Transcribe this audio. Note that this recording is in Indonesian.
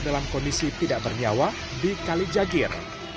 dalam kondisi tidak bernyawa di kalijagir